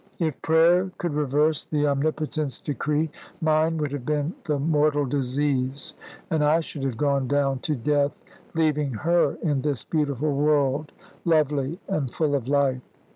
If prayer could reverse the Omnipotent's decree, mine would have been the mortal disease, and I should have gone down to death leaving her in this beautiful world, lovely and full of life.